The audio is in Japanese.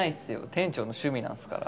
店長の趣味なんすから。